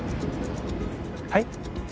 はい？